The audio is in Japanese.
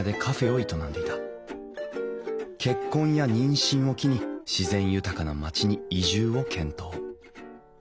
結婚や妊娠を機に自然豊かな町に移住を検討。